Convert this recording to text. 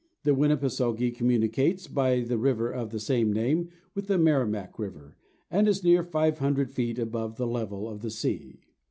The Winipiseogee communicates, by the river of the same name, with the Merrimack River, and is near five hundred feet above the level of the sea.